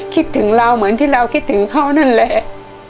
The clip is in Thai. คิดถึงเราเหมือนที่เราคิดถึงเขานั่นแหละ